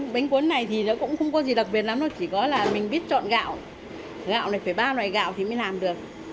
bánh cuốn này thì nó cũng không có gì đặc biệt lắm đâu chỉ có là mình biết chọn gạo gạo này phải ba loại gạo thì mới làm được